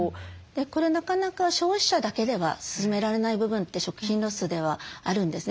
これなかなか消費者だけでは進められない部分って食品ロスではあるんですね。